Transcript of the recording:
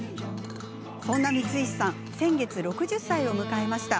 そんな光石さんは先月６０歳を迎えました。